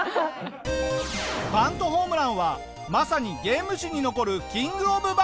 バントホームランはまさにゲーム史に残るキング・オブ・バグ。